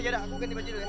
ya udah aku akan dimanjirin